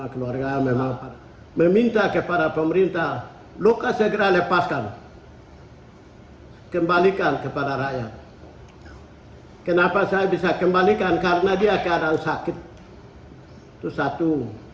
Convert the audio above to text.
kenapa saya bisa kembalikan karena dia keadaan sakit itu satu